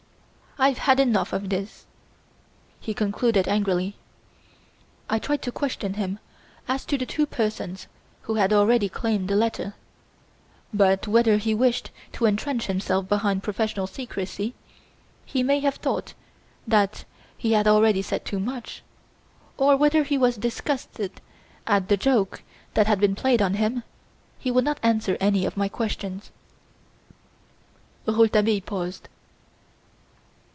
I've had enough of this,' he concluded angrily. I tried to question him as to the two persons who had already claimed the letter; but whether he wished to entrench himself behind professional secrecy, he may have thought that he had already said too much, or whether he was disgusted at the joke that had been played on him he would not answer any of my questions." Rouletabille paused.